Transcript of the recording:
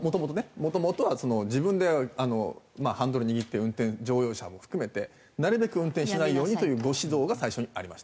もともとは自分でハンドル握って運転乗用車も含めてなるべく運転しないようにというご指導が最初にありました。